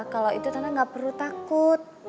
kalau itu tante ga perlu takut